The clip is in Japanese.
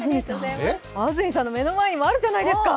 安住さんの目の前にもあるじゃないですか。